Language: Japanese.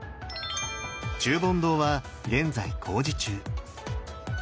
中品堂は現在工事中。